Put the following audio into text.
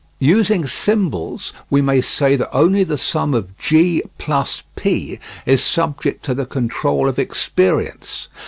Using symbols, we may say that only the sum of (G) + (P) is subject to the control of experience.